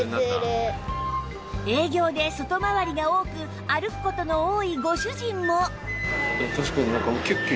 営業で外回りが多く歩く事の多いご主人も